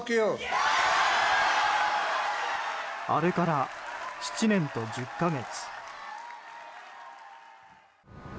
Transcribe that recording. あれから７年と１０か月。